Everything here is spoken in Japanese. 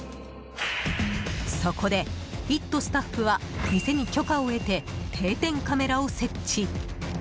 そこで「イット！」スタッフは店に許可を得て定点カメラを設置。